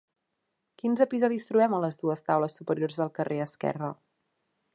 Quins episodis trobem a les dues taules superiors del carrer esquerre?